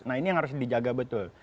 nah ini yang harus dijaga betul